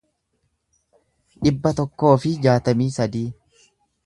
dhibba tokkoo fi jaatamii sadii